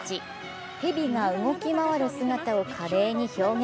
蛇が動き回る姿を華麗に表現。